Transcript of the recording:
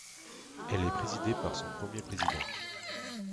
Elle est présidée par son premier président.